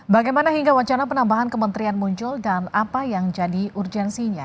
bagaimana hingga wacana penambahan kementerian muncul dan apa yang jadi urgensinya